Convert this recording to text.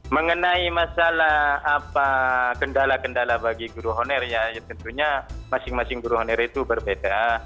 mengenai masalah apa kendala kendala bagi guru honorernya tentunya masing masing guru honorer itu berbeda